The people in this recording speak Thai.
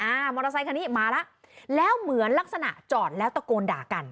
มอเตอร์ไซคันนี้มาแล้วแล้วเหมือนลักษณะจอดแล้วตะโกนด่ากัน